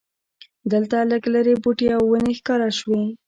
دلته لږ لرې بوټي او ونې ښکاره شوې.